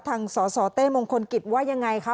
สสเต้มงคลกิจว่ายังไงคะ